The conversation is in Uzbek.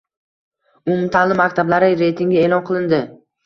Umumta’lim maktablari reytingi e’lon qilinding